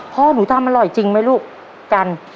พ่อหนูทำอร่อยจริงไหมลูกกัน